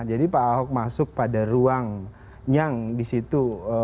jadi pak ahok masuk pada ruang yang di situ